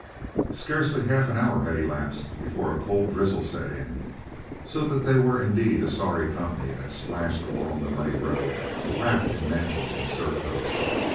Scarcely half an hour had elapsed before a cold drizzle set in, so that they were indeed a sorry company that splashed along the muddy road, wrapped in mantle and surcoat.